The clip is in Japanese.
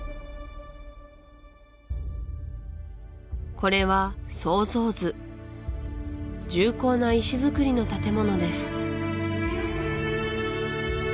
これは想像図重厚な石造りの建物です